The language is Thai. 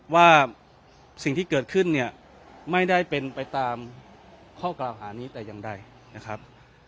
ว่าสิ่งที่เกิดขึ้นเนี่ยไม่ได้เป็นไปตามข้อกล่าวหานี้แต่อย่างใดนะครับ